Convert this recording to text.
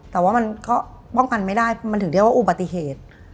แต่ว่ามันก็ป้องกันไม่ได้มันถึงเรียกว่าอุบัติเหตุ